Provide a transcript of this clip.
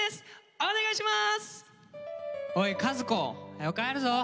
お願いします！